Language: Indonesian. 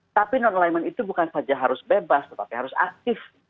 tapi non alignment itu bukan saja harus bebas tetapi harus aktif